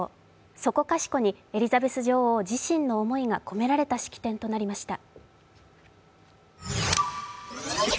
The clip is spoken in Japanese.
そこかしこにエリザベス女王自身の思いが込められた式典となりました。